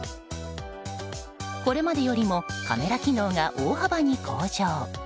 これまでよりもカメラ機能が大幅に向上。